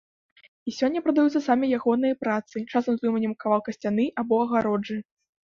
І сёння прадаюцца самі ягоныя працы, часам з выманнем кавалка сцяны або агароджы.